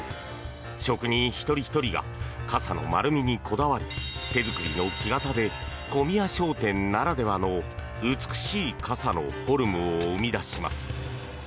職人一人ひとりが傘の丸みにこだわり手作りの木型で小宮商店ならではの美しい傘のフォルムを生み出します。